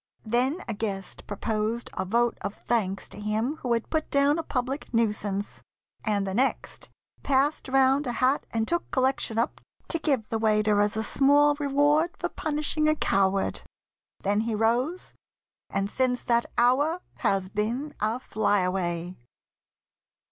Then a guest Proposed a vote of thanks to him who had Put down a public nuisance, and the next Passed round a hat and took collection up To give the waiter as a small reward For punishing a coward. Then he rose, And since that hour has been a fly away.